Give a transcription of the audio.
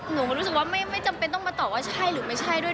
หนูรู้สึกว่าไม่จำเป็นต้องมาตอบว่าใช่หรือไม่ใช่ด้วย